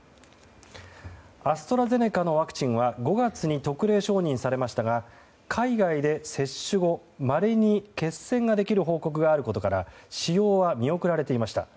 アストラゼネカのワクチンは５月に特例承認されましたが海外で接種後まれに血栓ができる報告があることから使用は見送られていました。